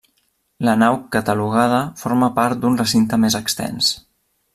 La nau catalogada forma part d'un recinte més extens.